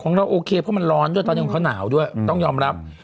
เราโอเคเพราะมันร้อนด้วยตอนนี้ของเขาหนาวด้วยต้องยอมรับ